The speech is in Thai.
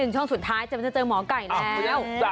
ช่วงสุดท้ายจะเจอหมอไก่แล้ว